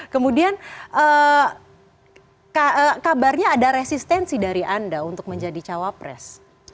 kemudian kabarnya ada resistensi dari anda untuk menjadi cawapres